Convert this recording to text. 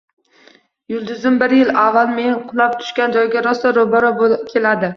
— Yulduzim bir yil avval men qulab tushgan joyga rosa ro‘baro‘ keladi...